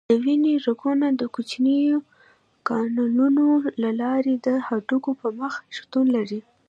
د وینې رګونه د کوچنیو کانالونو له لارې د هډوکو په مخ شتون لري.